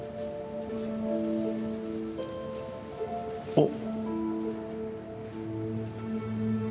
おっ。